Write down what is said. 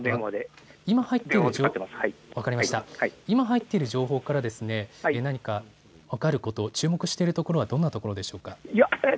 今入っている情報から何か分かること、注目しているところはどんなところですか。